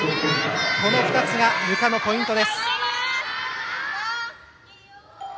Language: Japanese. この２つがゆかのポイント。